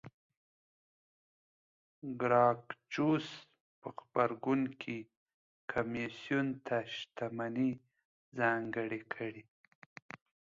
ګراکچوس په غبرګون کې کمېسیون ته شتمنۍ ځانګړې کړې